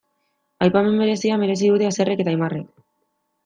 Aipamen berezia merezi dute Asierrek eta Aimarrek.